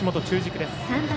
中軸です。